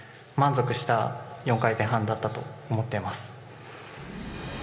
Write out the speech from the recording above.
満足した４回転半だったと思っています。